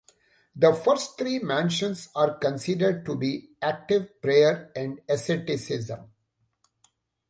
The first three mansions are considered to be active prayer and asceticism.